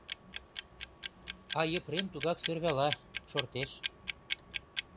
А Епрем тугак сӧрвала, шортеш.